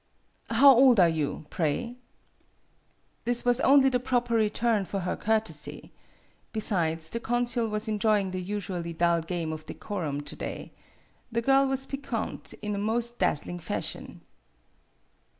" How old are you, pray ?" This was only the proper return for her courtesy. Besides, the consul was enjoy ing the usually dull game of decorum to day. The girl was piquant in a most dazzling fashion.